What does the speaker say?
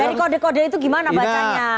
dari kode kode itu gimana bacanya pak ege